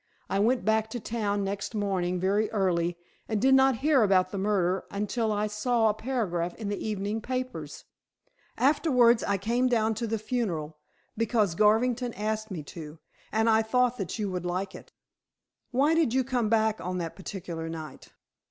I went back to town next morning very early, and did not hear about the murder until I saw a paragraph in the evening papers. Afterwards I came down to the funeral because Garvington asked me to, and I thought that you would like it." "Why did you come back on that particular night?"